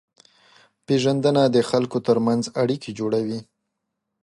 پېژندنه د خلکو ترمنځ اړیکې جوړوي.